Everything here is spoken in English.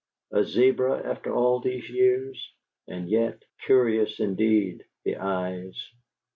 A zebra after all these years? And yet ... curious, indeed, the eyes!